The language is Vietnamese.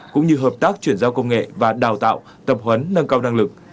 cũng như hợp tác chuyển giao công nghệ và đào tạo tập huấn nâng cao năng lực